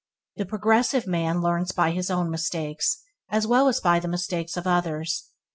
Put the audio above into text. The progressive man learns by his own mistakes as well as by the mistakes of others.